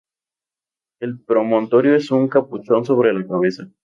El promontorio es un capuchón sobre la cabeza.